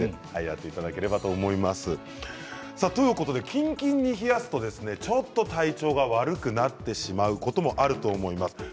キンキンに冷やすとちょっと体調が悪くなってしまうこともあると思います。